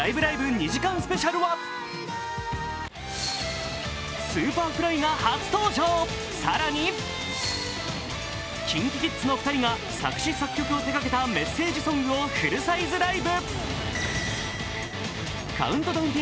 ２時間スペシャルはＳｕｐｅｒｆｌｙが初登場、更にＫｉｎＫｉＫｉｄｓの２人が作詞作曲を手がけたメッセージソングをフルサイズライブ。